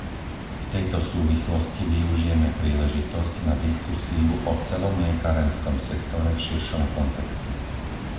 V tejto súvislosti využijeme príležitosť na diskusiu o celom mliekarenskom sektore v širšom kontexte.